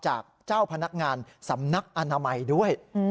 จากเจ้าพนักงานสำนักอนามัยด้วย